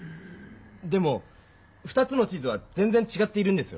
でも２つの地図は全ぜんちがっているんですよ。